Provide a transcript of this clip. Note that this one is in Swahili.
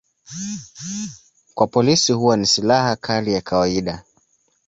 Kwa polisi huwa ni silaha kali ya kawaida.